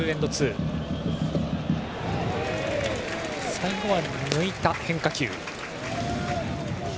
最後は抜いた変化球。